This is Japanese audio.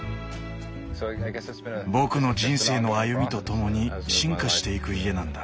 僕の人生の歩みとともに進化していく家なんだ。